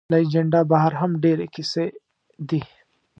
له اجنډا بهر هم ډېرې کیسې دي.